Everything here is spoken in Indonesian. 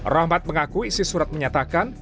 rahmat mengaku isi surat menyatakan